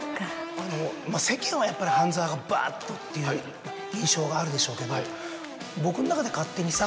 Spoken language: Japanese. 世間はやっぱり『半沢』がばっとっていう印象があるでしょうけど僕の中で勝手に。